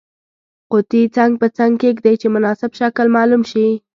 قطي څنګ په څنګ کیږدئ چې مناسب شکل معلوم شي.